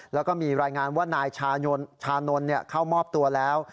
และพูดว่านายชานลเข้ามอบตัวแล้ว